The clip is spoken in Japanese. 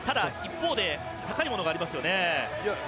一方で高いものがありますよね。